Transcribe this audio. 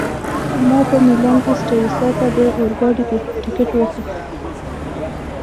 ما په میلان کي سټریسا ته د اورګاډي ټکټ واخیست.